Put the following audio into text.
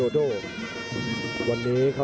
ทุกคนค่ะ